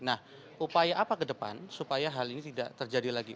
nah upaya apa ke depan supaya hal ini tidak terjadi lagi